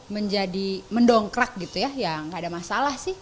menjadi mendongkrak gitu ya ya nggak ada masalah sih